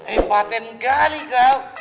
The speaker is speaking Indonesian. eh paten kali kau